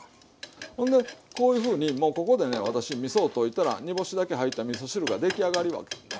ほんでこういうふうにもうここでね私みそを溶いたら煮干しだけ入ったみそ汁が出来上がるわけです。